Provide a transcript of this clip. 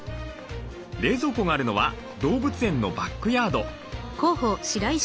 冷蔵庫があるのは動物園のバックヤード。